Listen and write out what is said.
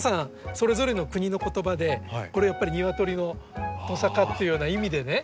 それぞれの国の言葉でやっぱり鶏のトサカっていうような意味でね